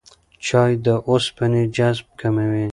چای د اوسپنې جذب کموي.